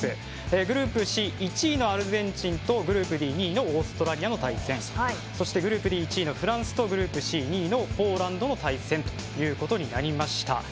グループＣ１位のアルゼンチンとグループＢ２位のオーストラリアの対戦そしてグループＤ１位のフランスとグループＣ２位のポーランドの対戦。ということになりました。